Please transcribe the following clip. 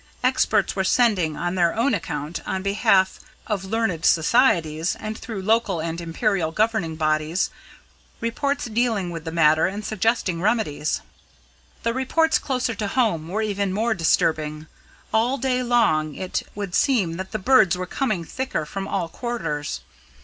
Experts were sending on their own account, on behalf of learned societies, and through local and imperial governing bodies reports dealing with the matter, and suggesting remedies. The reports closer to home were even more disturbing. All day long it would seem that the birds were coming thicker from all quarters.